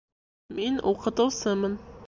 Мин уҡытыусымын